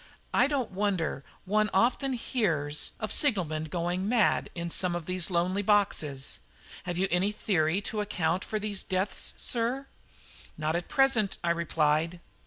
I don't wonder one often hears of signalmen going mad in some of these lonely boxes. Have you any theory to account for these deaths, sir?" "None at present," I replied.